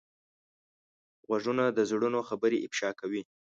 غوږونه د زړونو خبرې افشا کوي